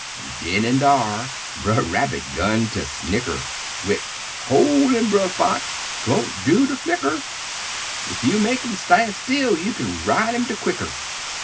An' den an' dar, Brer Rabbit 'gun ter snicker, Wid, "Hol' 'im, Brer Fox! 'twon't do ter flicker! Ef you make 'im stan' still, you kin ride 'im de quicker!"